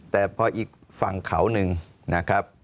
แต่พออีกฝั่งเขาหนึ่งนะครับ